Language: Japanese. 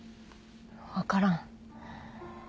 わからん。